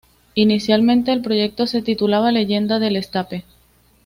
Inicialmente el proyecto se titulaba "Leyenda del Escape".